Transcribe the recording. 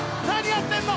やってんの？